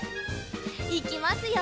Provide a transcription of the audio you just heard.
いきますよ！